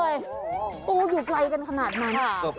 ปูอยู่ไกลกันขนาดนั้น